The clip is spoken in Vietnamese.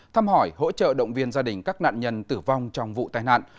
thăm hỏi hỗ trợ động viên gia đình các nạn nhân tử vong trong vụ tai nạn